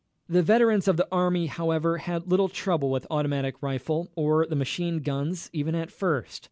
The veterans of the army, however, had little trouble with the automatic rifle or the machine guns, even at first.